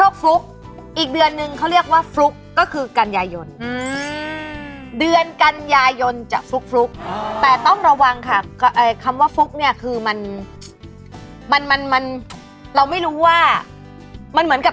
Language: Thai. คือเงินอะไรที่มันมาแบบไม่ง่าย